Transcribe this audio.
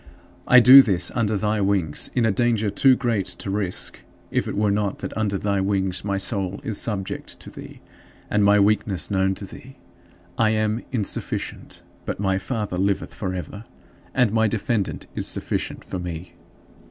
I do this under thy wings, in a danger too great to risk if it were not that under thy wings my soul is subject to thee, and my weakness known to thee. I am insufficient, but my Father liveth forever, and my Defender is sufficient for me.